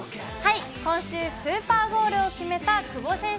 今週、スーパーゴールを決めた久保選手。